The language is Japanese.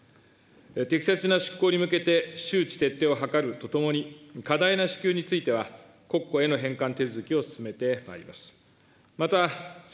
適切な執行に向けて、周知徹底を図るとともに、過大な支給については、国庫への返還手続きを進めてまいります。